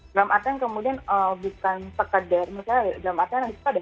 dalam artian kemudian bukan sekedar misalnya dalam artian nanti kita ada empat belas